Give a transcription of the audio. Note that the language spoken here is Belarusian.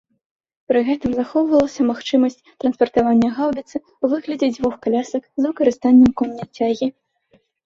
Пры гэтым захоўвалася магчымасць транспартавання гаўбіцы ў выглядзе дзвюх калясак з выкарыстаннем коннай цягі.